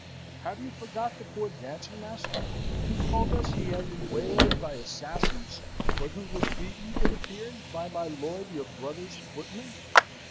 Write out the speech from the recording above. Have you forgot the poor dancing master, who told us he had been waylaid by assassins, but who was beaten, it appears, by my lord your brother's footmen?